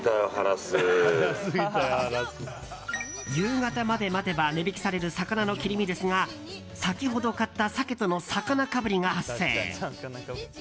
夕方まで待てば値引きされる魚の切り身ですが先ほど買ったサケとの魚かぶりが発生。